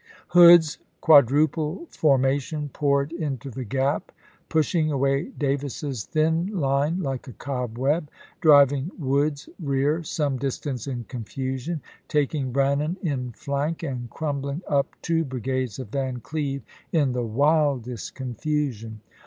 Hood's quadruple forma tion poured into the gap, pushing away Davis's thin line like a cobweb, driving Wood's rear some distance in confusion, taking Brannan in flank and crumbling up two brigades of Van Cleve in the wildest confusion.